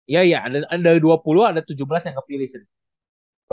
iya iya ada dua puluh ada tujuh belas yang kepilih sih